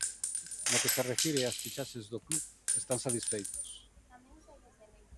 No que se refire ás fichaxes, no club están satisfeitos.